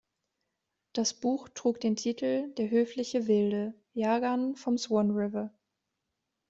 Das Buch trug den Titel "Der höfliche Wilde: Yagan vom Swan River".